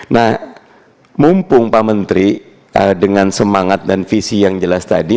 nah mumpung pak menteri dengan semangat dan visi yang jelas tadi